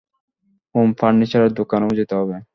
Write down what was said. হুম, ফার্নিচারের দোকানেও যেতে হবে।